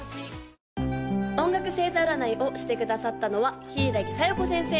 ・音楽星座占いをしてくださったのは柊小夜子先生！